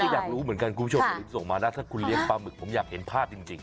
อยากรู้เหมือนกันคุณผู้ชมอย่าลืมส่งมานะถ้าคุณเลี้ยงปลาหมึกผมอยากเห็นภาพจริง